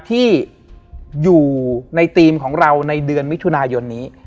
ที่อยู่ในธีมของเราในเดือนมิถุนายนนี้